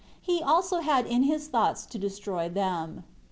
He also had in his thoughts to destroy them.